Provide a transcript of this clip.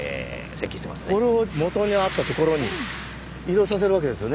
これを元あった所に移動させるわけですよね。